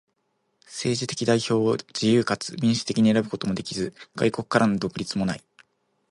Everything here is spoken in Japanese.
政治的代表を自由かつ民主的に選ぶこともできず、外国からの独立もない。